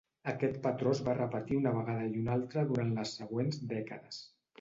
Aquest patró es va repetir una vegada i una altra durant les següents dècades.